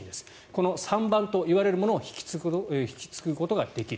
この三バンというものを引き継ぐことができる。